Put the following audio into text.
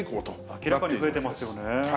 明らかに増えてますよね。